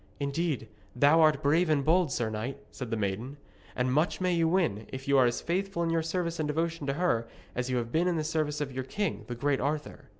'Indeed, thou art brave and bold, sir knight,' said the maiden, 'and much may you win, if you are as faithful in your service and devotion to her as you have been in the service of your king, the great Arthur.'